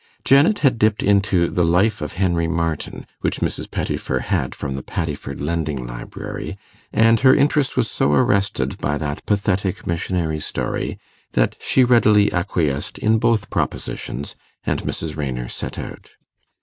Janet had dipped into the 'Life of Henry Martyn,' which Mrs. Pettifer had from the Paddiford Lending Library, and her interest was so arrested by that pathetic missionary story, that she readily acquiesced in both propositions, and Mrs. Raynor set out.